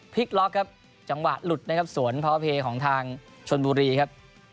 พลิกล็อกครับจังหวะหลุดสวนพาวะเพลย์ของทางชนบุรีครับ